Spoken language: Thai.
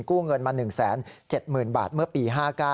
กู้เงินมา๑๗๐๐๐บาทเมื่อปี๕๙